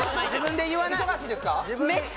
忙しいですか？